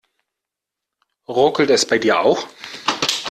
Ruckelt es bei dir auch?